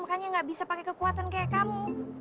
makanya gak bisa pakai kekuatan kayak kamu